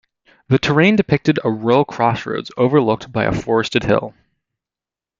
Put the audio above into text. The terrain depicted a rural crossroads overlooked by a forested hill.